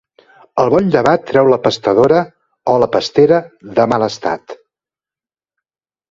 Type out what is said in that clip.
El bon llevat treu la pastadora o la pastera de mal estat.